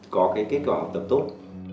có cái kết quả học tập tốt